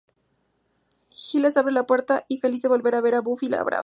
Giles abre la puerta y, feliz de volver a ver a Buffy, la abraza.